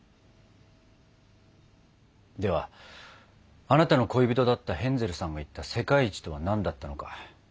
ではあなたの恋人だったヘンゼルさんが言った「世界一」とは何だったのか。